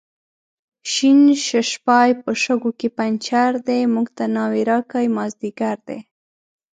شین ششپای په شګو کې پنچر دی، موږ ته ناوې راکئ مازدیګر دی